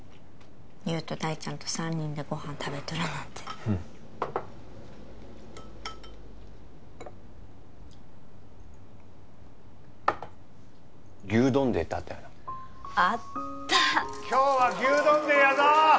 優と大ちゃんと３人でご飯食べとるなんてうん牛丼デーってあったよなあった今日は牛丼デーやぞ！